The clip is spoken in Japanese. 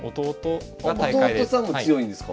弟さんも強いんですか？